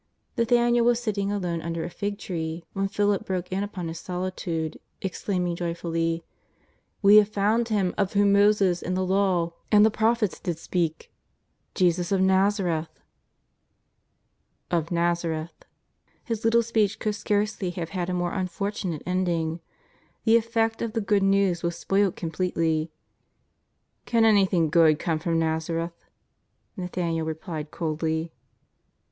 l^athaniel was sitting alone under a fig tree when Philip broke in upon his solitude exclaiming joyfully: " We have found Him of whom ]\foses in the Law and the prophets did speak, Jesus of IN'azareth." " Of Xazareth." His little speech could scarcely have had a more unfortunate ending, the effect of the good news was spoilt completely. " Can anything good come from Xazareth ?" N'a thaniel replied coldly.